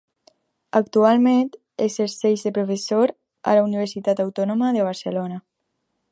Actualment exerceix de professor a la Universitat Autònoma de Barcelona.